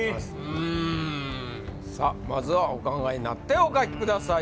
うーんさっまずはお考えになってお書きください